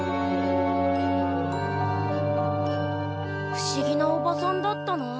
ふしぎなおばさんだったなあ。